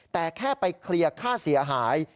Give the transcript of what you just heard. แต่แค่ไปเคลียร์ค่าเสียหาย